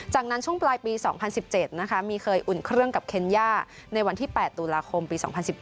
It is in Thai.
จากนั้นช่วงปลายปี๒๐๑๗นะคะมีเคยอุ่นเครื่องกับเคนย่าในวันที่๘ตุลาคมปี๒๐๑๙